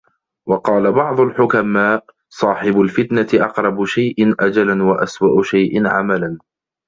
وَقَالَ بَعْضُ الْحُكَمَاءِ صَاحِبُ الْفِتْنَةِ أَقْرَبُ شَيْءٍ أَجَلًا وَأَسْوَأُ شَيْءٍ عَمَلًا